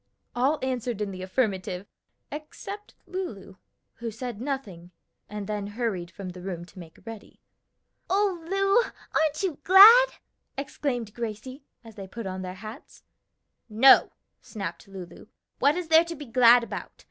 All answered in the affirmative, except Lulu, who said nothing, and then hurried from the room to make ready. "O Lu, aren't you glad?" exclaimed Gracie, as they put on their hats. "No!" snapped Lulu, "what is there to be glad about?